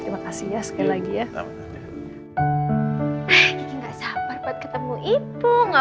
terima kasih ya sekali lagi ya